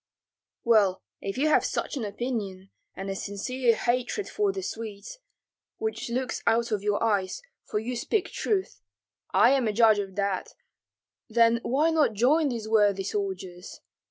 "Well, if you have such an opinion, and a sincere hatred for the Swedes, which looks out of your eyes, for you speak truth, I am a judge of that, then why not join these worthy soldiers?